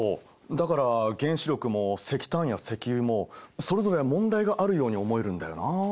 だから原子力も石炭や石油もそれぞれ問題があるように思えるんだよな。